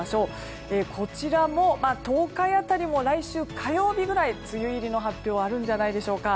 こちらも東海辺りも来週火曜日くらいに梅雨入りの発表あるんじゃないでしょうか。